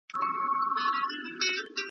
د سېل اوبو اخیستی خلی یمه .